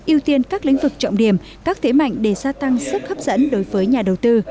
ưu tiên các lĩnh vực trọng điểm các thế mạnh để gia tăng sức hấp dẫn đối với nhà đầu tư